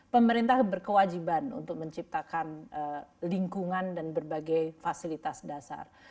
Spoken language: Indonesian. pemerintah berkewajiban untuk menciptakan lingkungan dan berbagai fasilitas dasar